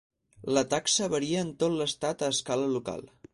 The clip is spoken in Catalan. La taxa varia en tot l'estat a escala local.